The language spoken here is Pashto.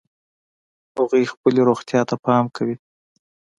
هغوی خپلې روغتیا ته پام کوي